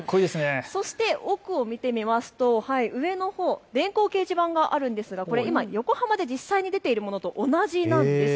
そして奥を見てみますと上のほう電光掲示板があるんですが今、横浜で実際に出ているものと同じなんです。